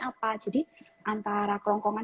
apa jadi antara kerongkongan